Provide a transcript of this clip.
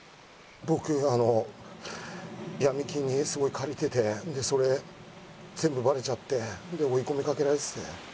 僕闇金にすごい借りててそれ全部バレちゃって。で追い込みかけられてて。